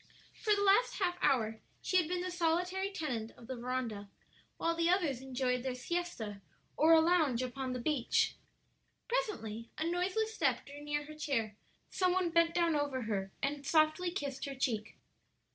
For the last half hour she had been the solitary tenant of the veranda, while the others enjoyed their siesta or a lounge upon the beach. Presently a noiseless step drew near her chair, some one bent down over her and softly kissed her cheek.